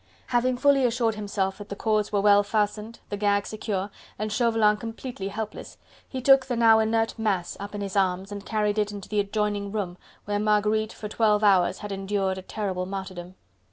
Having fully assured himself that the cords were well fastened, the gag secure and Chauvelin completely helpless, he took the now inert mass up in his arms and carried it into the adjoining room, where Marguerite for twelve hours had endured a terrible martyrdom.